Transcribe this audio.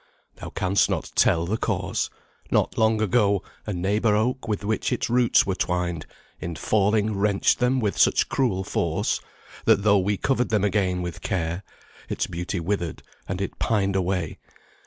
Thou canst not tell the cause. Not long ago, A neighbour oak, with which its roots were twined, In falling wrenched them with such cruel force, That though we covered them again with care, Its beauty withered, and it pined away.